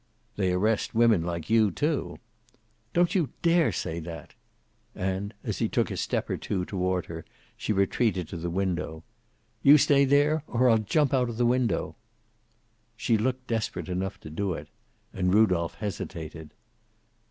"They arrest women like you, too." "Don't you dare say that." And as he took a step or two toward her she retreated to the window. "You stay there, or I'll jump out of the window." She looked desperate enough to do it, and Rudolph hesitated.